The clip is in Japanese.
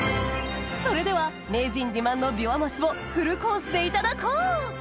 それでは名人自慢のビワマスをフルコースでいただこう！